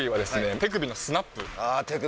手首のスナップ？